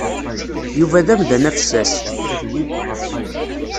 Yuba d amdan afessas.